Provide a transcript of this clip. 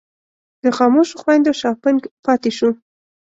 د خاموشو خویندو شاپنګ پاتې شو.